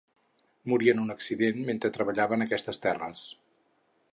Morí en un accident mentre treballava en aquestes terres.